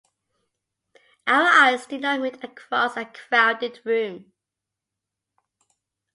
Our eyes did not meet across a crowded room.